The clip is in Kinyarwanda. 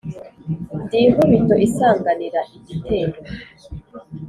ndi inkubito isanganira igitero,